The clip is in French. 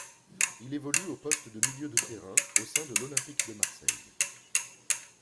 Il évolue au poste de milieu de terrain au sein de l'Olympique de Marseille.